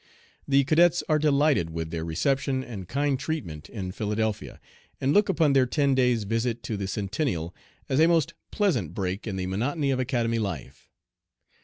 "The cadets are delighted with their reception and kind treatment in Philadelphia, and look upon their ten days' visit to the Centennial as a most pleasant break in the monotony of Academy life.